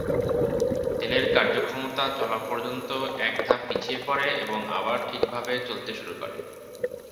তেলের কার্যক্ষমতা চলা পর্যন্ত এক ধাপ পিছিয়ে পড়ে এবং আবার ঠিকভাবে চলতে শুরু করে।